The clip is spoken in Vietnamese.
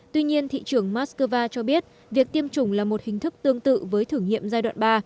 tuy nhiên thị trưởng moscow cho biết việc tiêm chủng là một hình thức tương tự với thử nghiệm giai đoạn ba